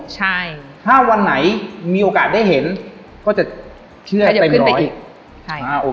ถ้าวันไหนมีโอกาสได้เห็นก็จะเชื่อเต็ม๑๐๐